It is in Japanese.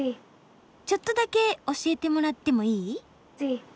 ちょっとだけ教えてもらってもいい？